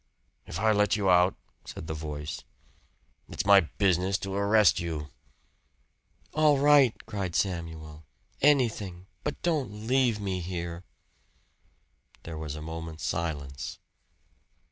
"If I let you out," said the voice, "it's my business to arrest you." "All right," cried Samuel. "Anything but don't leave me here." There was a moment's silence.